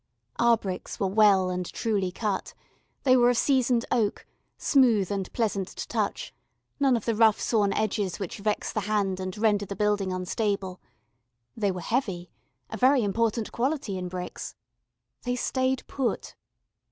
Our bricks were well and truly cut: they were of seasoned oak, smooth and pleasant to touch none of the rough sawn edges which vex the hand and render the building unstable; they were heavy a very important quality in bricks. They "stayed put."